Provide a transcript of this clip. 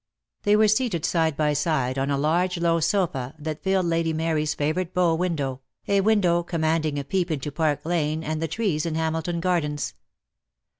They were seated side by side on a large low sofa, that filled Lady Mary's favourite bow window, a window commanding a peep into Park Lane and the trees in Hamilton Gardens.